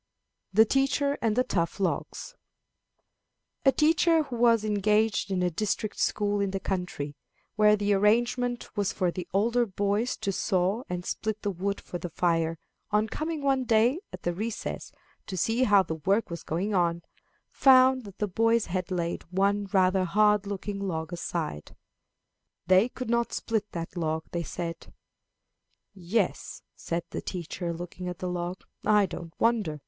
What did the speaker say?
The Teacher and the Tough Logs A teacher who was engaged in a district school in the country, where the arrangement was for the older boys to saw and split the wood for the fire, on coming one day, at the recess, to see how the work was going on, found that the boys had laid one rather hard looking log aside. They could not split that log, they said. "Yes," said the teacher, looking at the log, "I don't wonder.